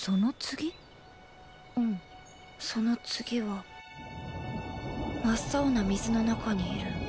うんその次は真っ青な水の中にいる。